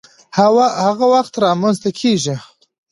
هغه وخت رامنځته کيږي،